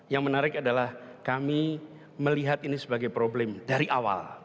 yang menarik adalah kami melihat ini sebagai problem dari awal